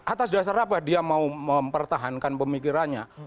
atas dasar apa dia mau mempertahankan pemikirannya